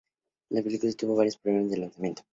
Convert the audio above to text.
La película tuvo varios problemas de lanzamiento.